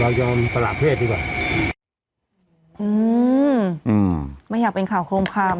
ยอมสละเพศดีกว่าอืมอืมไม่อยากเป็นข่าวโคมคำ